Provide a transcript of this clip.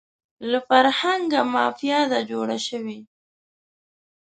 له فرهنګه مافیا ده جوړه شوې